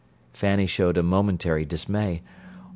Fanny showed a momentary dismay.